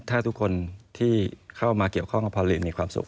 ถ้าทุกคนที่เข้ามาเกี่ยวข้องกับพอลินมีความสุข